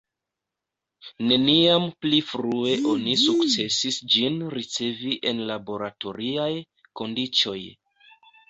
Neniam pli frue oni sukcesis ĝin ricevi en laboratoriaj kondiĉoj.